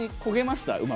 こげました。